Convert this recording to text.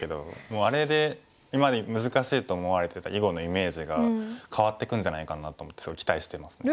もうあれで今まで難しいと思われてた囲碁のイメージが変わっていくんじゃないかなと思ってすごい期待してますね。